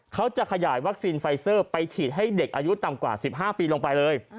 เขาจะขยายวัคซีนไฟเซอร์ไปฉีดให้เด็กอายุต่ำกว่า๑๕ปีลงไปเลย